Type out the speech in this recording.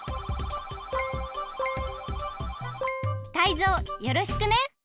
タイゾウよろしくね！